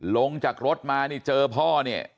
ลงจากรถมานี่เจอพ่อเนี่ย